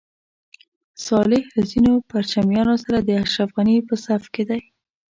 صالح له ځینو پرچمیانو سره د اشرف غني په صف کې دی.